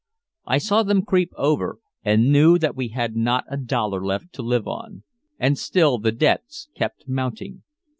I saw them creep over, and knew that we had not a dollar left to live on. And still the debts kept mounting.